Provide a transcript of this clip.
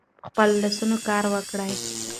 په خپلو لاسونو کار وکړئ.